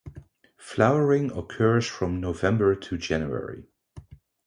Flowering occurs from November to January.